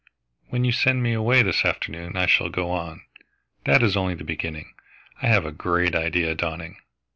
When you send me away this afternoon, I shall go on. That is only the beginning. I have a great idea dawning."